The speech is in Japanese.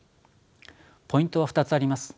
ポイントは２つあります。